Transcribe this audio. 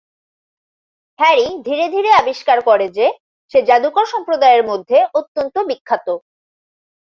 Harry ধীরে ধীরে আবিষ্কার করে যে, সে জাদুকর সম্প্রদায়ের মধ্যে অত্যন্ত বিখ্যাত।